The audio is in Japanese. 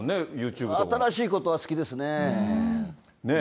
新しいことは好きですね。